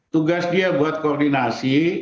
tugas dia untuk koordinasi